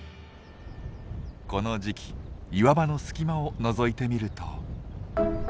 この時期岩場の隙間をのぞいてみると。